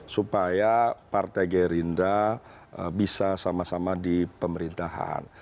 supaya partai gerindra bisa sama sama di pemerintahan